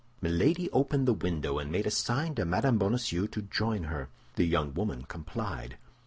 Milady opened the window, and made a sign to Mme. Bonacieux to join her. The young woman complied.